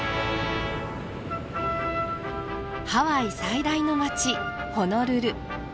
ハワイ最大の街ホノルル。